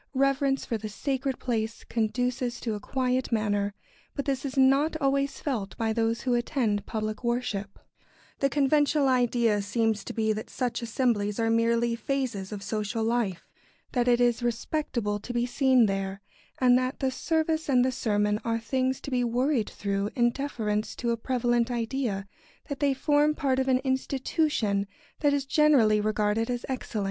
Reverence for the sacred place conduces to a quiet manner; but this is not always felt by those who attend public worship. [Sidenote: The conventional idea of church attendance.] The conventional idea seems to be that such assemblies are merely phases of social life; that it is respectable to be seen there; and that the service and the sermon are things to be worried through in deference to a prevalent idea that they form part of an institution that is generally regarded as excellent.